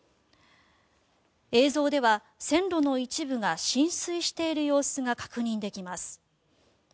映像では線路の一部が浸水している様子が確認できます。